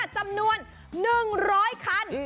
จำนวน๑๐๐คัน